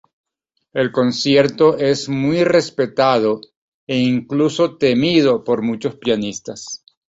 El concierto es muy respetado e incluso temido por muchos pianistas.